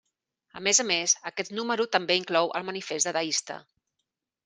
A més a més, aquest número també inclou el Manifest Dadaista.